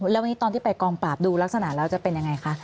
แล้ววันนี้ตอนที่ไปกองปราบดูลักษณะแล้วจะเป็นยังไงคะ